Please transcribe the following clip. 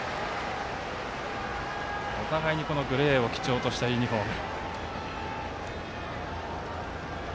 お互いにグレーを基調としたユニフォーム。